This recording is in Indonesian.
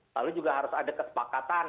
lalu juga harus ada kesepakatan